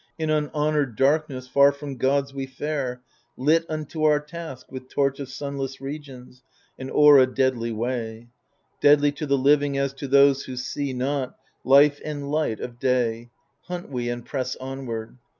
In unhonoured darkness, Far from gods, we fare, Lit unto our task with torch of sunless regions. And o'er a deadly way — Deadly to the living as to those who see not Life and light of day — Hunt we and press onward.